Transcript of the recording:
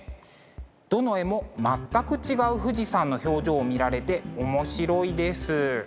どの絵も全く違う富士山の表情を見られて面白いです。